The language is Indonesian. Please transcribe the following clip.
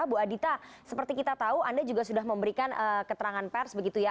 bu adita seperti kita tahu anda juga sudah memberikan keterangan pers begitu ya